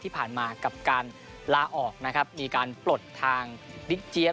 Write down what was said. ที่ผ่านมากับการลาออกนะครับมีการปลดทางบิ๊กเจี๊ยบ